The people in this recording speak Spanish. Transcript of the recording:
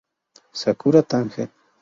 Sakura Tange